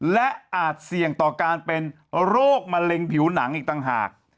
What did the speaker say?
และอาจเสี่ยงต่อการเป็นโรคมะเร็งผิวหนังอีกต่างหาก